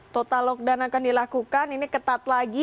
total lockdown akan dilakukan ini ketat lagi